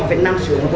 họ để tài cộng cơ sở